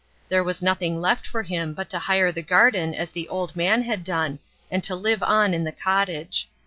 There was nothing left for him but to hire the garden as the old man had done, and to live on in the cottage.